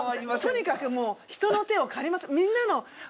とにかくもう人の手を借りましょう。